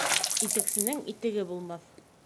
Итексенең итеге булмаҫ